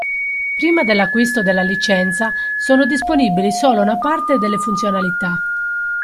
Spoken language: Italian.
Prima dell'acquisto della licenza sono disponibili solo una parte delle funzionalità.